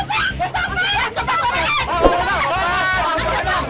terus besok lagi tunggu